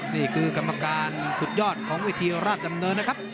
นี่คือกรรมการสุดยอดของเวทีราชดำเนินนะครับ